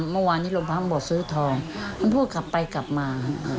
เมื่อวานนี้โรงพักมันบอกซื้อทองมันพูดกลับไปกลับมา